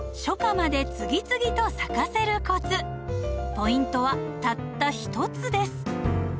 ポイントはたった一つです。